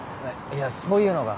いやそういうのが。